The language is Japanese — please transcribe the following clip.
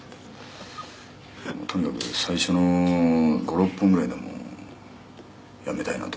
「とにかく最初の５６分ぐらいでもうやめたいなと」